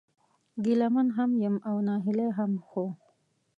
ګيله من هم يم او ناهيلی هم ، خو